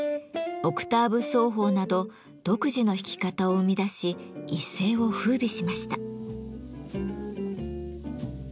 オクターブ奏法など独自の弾き方を生み出し一世を風靡しました。